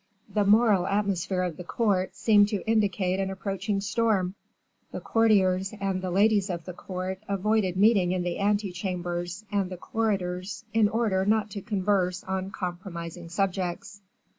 The moral atmosphere of the court seemed to indicate an approaching storm; the courtiers and the ladies of the court avoided meeting in the ante chambers and the corridors in order not to converse on compromising subjects.